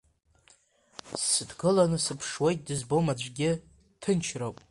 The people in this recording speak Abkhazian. Сыҭгыланы сыԥшуеит дызбом аӡәгьы, ҭынчроуп.